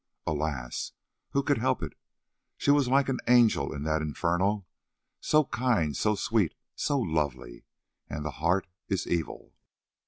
Alas! who could help it? She was like an angel in that Inferno, so kind, so sweet, so lovely, and the heart is evil."